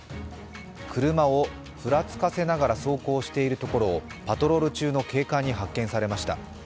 車をふらつかせながら走行しているところをパトロール中の警官に発見されました。